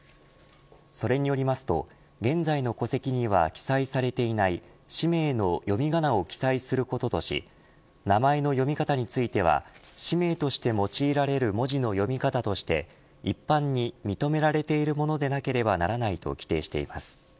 それによりますと現在の戸籍には記載されていない氏名の読み仮名を記載することとし名前の読み方については氏名として用いられる文字の読み方として一般に認められているものでなければならないと規定しています。